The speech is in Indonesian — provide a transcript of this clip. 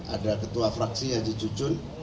ada ketua fraksi haji jucun